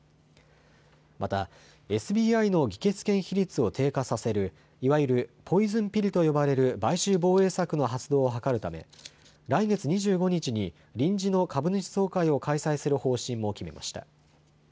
またＳＢＩの議決権比率を低下させるいわゆるポイズンピルと呼ばれる買収防衛策の発動を諮るため来月２５日に臨時の株主総会を開催する方針も決めました。